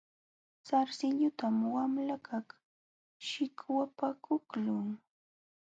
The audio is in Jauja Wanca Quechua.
Sarsilluntam wamlakaq shikwapakuqlun.